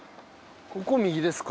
ここ右ですか？